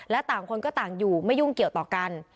และต่างคนก็ต่างอยู่ไม่ยุ่งเกี่ยวต่อกัน